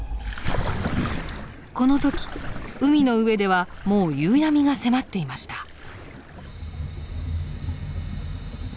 この時海の上ではもう夕闇が迫っていました。